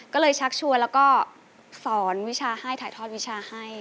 ก็เลยชักชวนแล้วก็สอนวิชาให้ถ่ายทอดวิชาให้